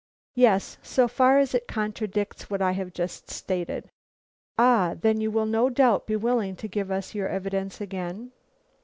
"Yes, so far as it contradicts what I have just stated." "Ah, then you will no doubt be willing to give us your evidence again?"